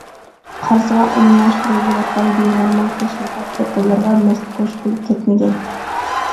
قارىسىغا ئومۇملاشتۇرۇلۇۋاتقان بىنورمال تەشۋىقات ئېقىنلىرىغا مەستخۇش بولۇپ كەتمىگەي.